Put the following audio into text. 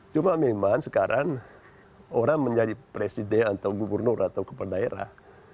cuma memang sekarang orang menjadi presiden atau gubernur atau kepala daerah